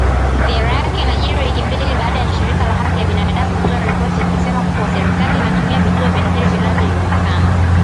Ziara yake inajiri wiki mbili baada ya shirika la Haki ya binadamu kutoa ripoti ikisema kuwa serikali inatumia vituo vya siri vinavyojulikana